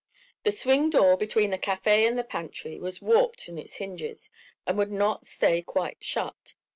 The swing door between the café and the pantry had warped on its hinges and would not stay quite shut.